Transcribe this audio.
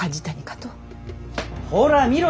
ほら見ろ